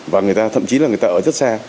và người ta thậm chí là người ta ở rất xa